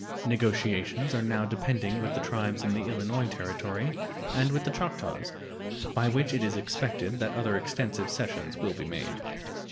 Negotiations are now depending with the tribes in the Illinois Territory and with the Choctaws, by which it is expected that other extensive cessions will be made.